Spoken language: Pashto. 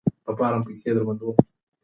د ليکنۍ ژبې تله بايد درنه وي.